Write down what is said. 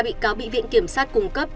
ba bị cao bị viện kiểm sát cung cấp